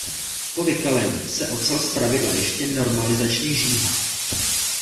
Po vykalení se ocel zpravidla ještě normalizačně žíhá.